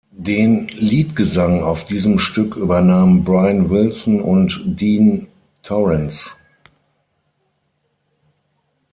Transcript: Den Leadgesang auf diesem Stück übernahmen Brian Wilson und Dean Torrence.